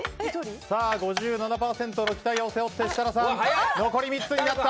５７％の期待を背負って設楽さん残り３つになった。